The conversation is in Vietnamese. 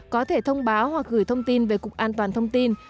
có thể thông báo hoặc gửi thông tin về cục an toàn thông tin